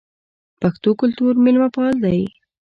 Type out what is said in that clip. پښتو کلتور میلمه پال دی